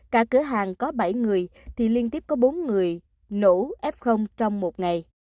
cả cửa hàng có bảy người thì liên tiếp có bốn người nổ f trong một ngày